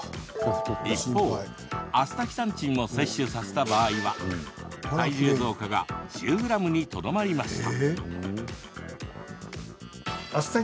一方、アスタキサンチンも摂取させた場合は、体重増加が１０ｇにとどまりました。